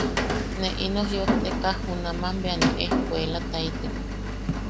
Ne ino jiʼojteka junaman bea ne ejkuelataitek.